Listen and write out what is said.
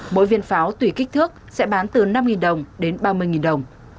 mỗi viên pháo tùy kích thước sẽ bán từ năm đồng đến ba mươi đồng